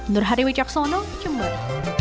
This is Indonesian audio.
nurhadi wicaksono jembat